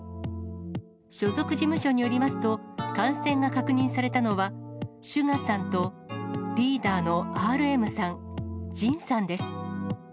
所属事務所によりますと、感染が確認されたのは、ＳＵＧＡさんと、リーダーのＲＭさん、ＪＩＮさんです。